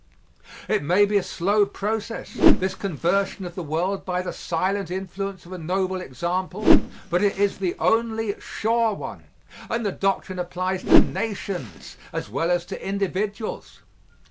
It may be a slow process this conversion of the world by the silent influence of a noble example but it is the only sure one, and the doctrine applies to nations as well as to individuals.